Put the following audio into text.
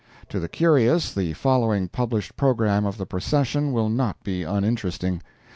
To the curious, the following published programme of the procession will not be uninteresting.